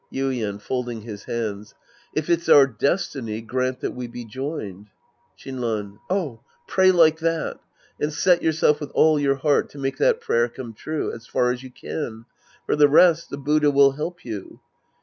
Ytden {folding his hands). If it's our destiny, grant that we be joined. Shinran. Oh. Pray like that. And set yourself with all your heart, to make that prayer come true. As far as you can. For the rest, the Buddha will help you.